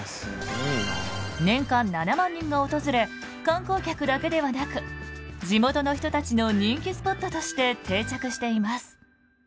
年間７万人が訪れ観光客だけではなく地元の人たちの人気スポットとして定着しています。